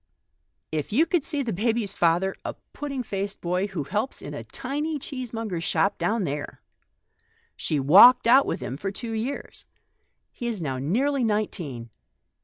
If you could see the baby's father !— a pudding faced boy, who helps in a tiny cheesemonger's shop down there. She ' walked out ' with him for two years. He is now nearly nineteen.